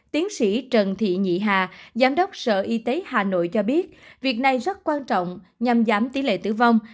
tiến sĩ trần thị nhị hà giám đốc sở y tế hà nội cho biết việc này rất quan trọng nhằm giảm tỷ lệ tử vong